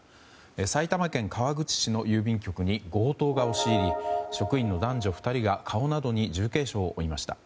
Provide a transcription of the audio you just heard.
埼玉県川口市の郵便局に強盗が押し入り職員の男女２人が顔などに重軽傷を負いました。